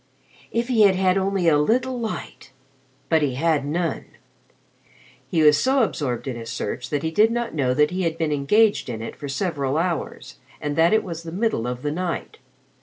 If he had had only a little light, but he had none. He was so absorbed in his search that he did not know he had been engaged in it for several hours, and that it was the middle of the night.